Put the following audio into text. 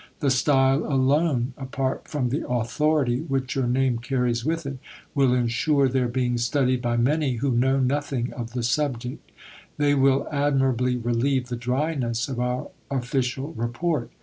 The style alone (apart from the authority which your name carries with it) will ensure their being studied by many who know nothing of the subject. They will admirably relieve the dryness of our official Report.